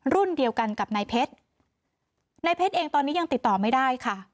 รุ่นเดียวกันกับนายเพชรนายเพชรเองตอนนี้ยังติดต่อไม่ได้ค่ะ